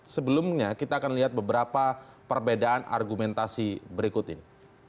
sebelumnya kita akan lihat beberapa perbedaan argumentasi berikut ini